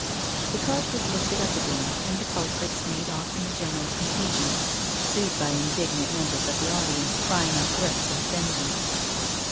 The cart was lifted up again, and the culprits made off in the general confusion, pursued by indignant mem bers of the audience crying out threats of vengeance.